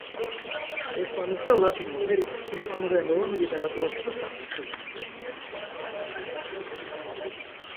ესპანურ და ლათინო ამერიკის ესპანურენოვან ლიტერატურასა და სახვით ხელოვნებაში.